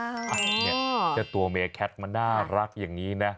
อ้าวนี่ตัวเมียแคทมันน่ารักอย่างนี้นะ